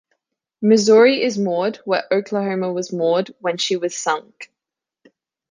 "Missouri" is moored where "Oklahoma" was moored when she was sunk.